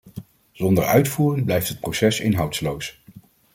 Zonder uitvoering blijft het proces inhoudsloos.